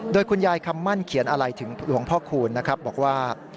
โดยคุณยายคำมั่นเขียนอะไรถึงหลวงพ่อคูณนะครับบอกว่า